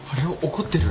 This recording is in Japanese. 怒ってる？